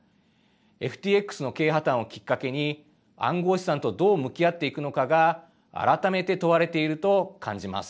ＦＴＸの経営破綻をきっかけに暗号資産とどう向き合っていくのかが改めて問われていると感じます。